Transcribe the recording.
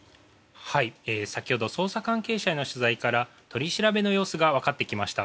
先ほど捜査関係者への取材から取り調べの様子が分かってきました。